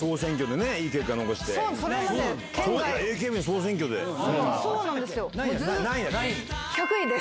ＡＫＢの総選挙で。